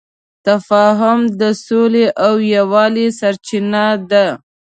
تفاهم د سولې او یووالي سرچینه ده.